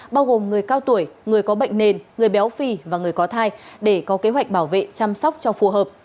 bao gồm người cao tuổi người có bệnh nền người béo phì và người có thai để có kế hoạch bảo vệ chăm sóc cho phù hợp